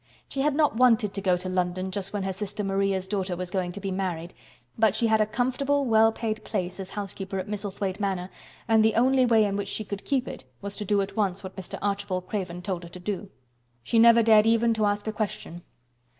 She had not wanted to go to London just when her sister Maria's daughter was going to be married, but she had a comfortable, well paid place as housekeeper at Misselthwaite Manor and the only way in which she could keep it was to do at once what Mr. Archibald Craven told her to do. She never dared even to ask a question.